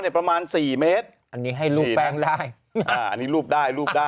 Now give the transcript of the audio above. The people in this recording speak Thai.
อะไรวะ